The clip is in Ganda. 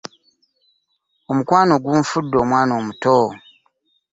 Omukwano gunfudde omwana omuto.